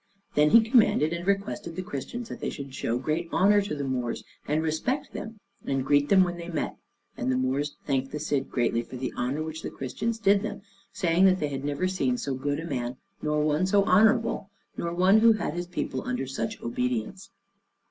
And he commanded and requested the Christians that they should show great honor to the Moors, and respect them, and greet them when they met: and the Moors thanked the Cid greatly for the honor which the Christians did them, saying that they had never seen so good a man, nor one so honorable, nor one who had his people under such obedience.